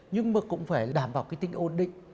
nhưng mà cũng phải đảm bảo cái tính ổn định